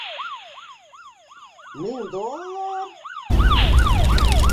Мең доллар?!